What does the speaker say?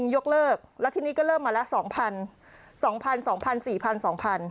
๑๐๐๐ยกเลิกแล้วทีนี้ก็เริ่มมาแล้ว๒๐๐๐